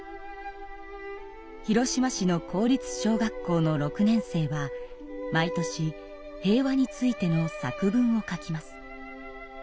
広島市の公立小学校の６年生は毎年平和についての作文を書きます。